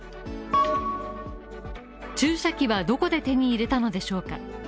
注射器はどこで手に入れたのでしょうか？